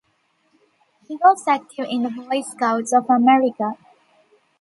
He was active in the Boy Scouts of America.